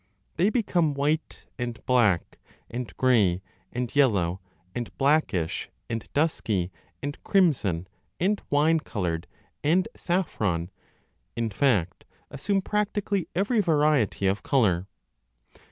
They become white and black and grey and yellow and blackish 1 and dusky and crimson and wine coloured and saffron in fact, assume 795 b practically every variety of colour.